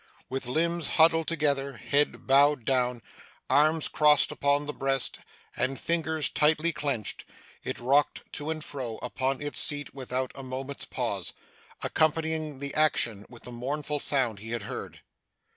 With limbs huddled together, head bowed down, arms crossed upon the breast, and fingers tightly clenched, it rocked to and fro upon its seat without a moment's pause, accompanying the action with the mournful sound he had heard.